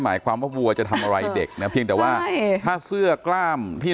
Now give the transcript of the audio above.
หมายความว่าวัวจะทำอะไรเด็กนะเพียงแต่ว่าถ้าเสื้อกล้ามที่